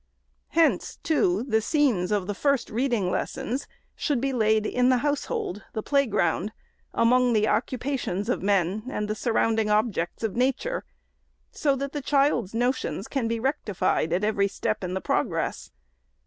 Hence, too, the scenes of the first reading lessons should be laid in the household, the play ground, among the occupations of men, and the surrounding objects of nature, so that the child's notions can be rectified at every step in the progress.